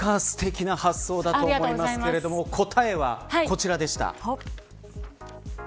なかなかすてきな発想だと思いますが答えは、こちらでした。